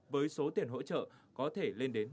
với số tiền hỗ trợ có thể lên đến